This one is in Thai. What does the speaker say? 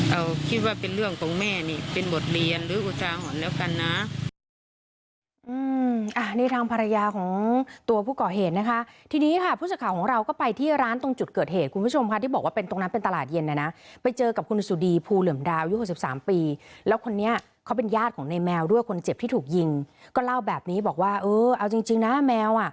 เอาคิดว่าเป็นเรื่องของแม่นี่เป็นบทเรียนหรืออุทาหรณ์แล้วกันนะ